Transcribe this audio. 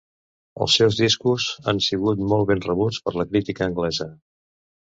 Els seus discos han sigut molt ben rebuts per la crítica anglesa.